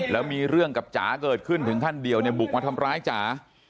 แล้วมีเรื่องกับจ๋าเกิดขึ้นถึงขั้นเดียวเนี่ยบุกมาทำร้ายจ๋า